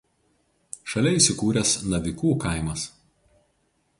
Šalia įsikūręs Navikų kaimas.